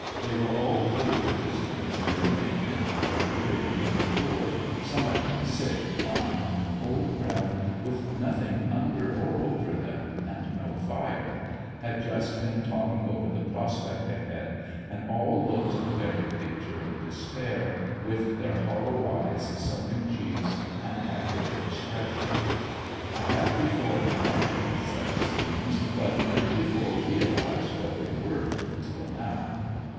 They were all old prisoners near ly naiied, very dirty and poor, some of them sick lying on the cold ground with nothing under or over them, and no fire; had just been talking over the prospect ahead and all looked the very picture of dispair, with their hollow eyes, sunken cheeks and haggard ex pression. I have before imagined such scenes but never before realized what they were until now.